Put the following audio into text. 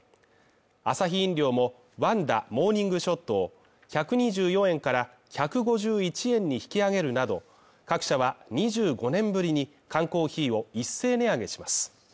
アサヒ飲料も、ワンダモーニングショットを１２４円から１５１円に引き上げるなど、各社は２５年ぶりに缶コーヒーを一斉値上げします。